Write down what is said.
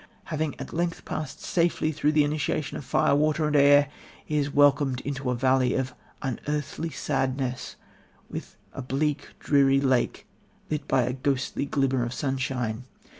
Having at length passed safely through the initiation of Fire, Water and Air, he is welcomed into a valley of "unearthly sadness," with a bleak, dreary lake lit by a "ghostly glimmer of sunshine."